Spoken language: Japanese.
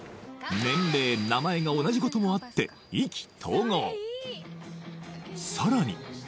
年齢名前が同じこともあってさらに